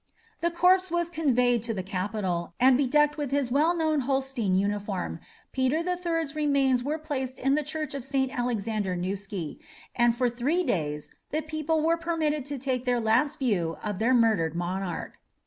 The corpse was conveyed to the capital, and bedecked with his well known Holstein uniform, Peter the Third's remains were placed in the Church of St. Alexander Newsky, and for three days the people were permitted to take their last view of their murdered monarch.